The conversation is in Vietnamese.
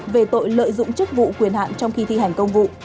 về tội lợi dụng chức vụ quyền hạn trong khi thi hành công vụ